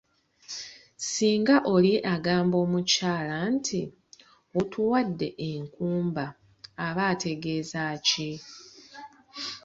Singa oli agamba omukyala nti ‘otuwadde enkumba’ aba ategeeza ki?